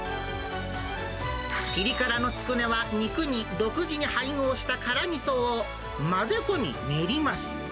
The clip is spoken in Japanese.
ピリ辛のつくねは、肉に独自に配合した辛みそを混ぜ込み、練ります。